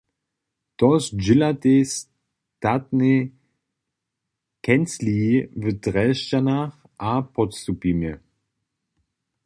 To zdźělatej statnej kencliji w Drježdźanach a Podstupimje.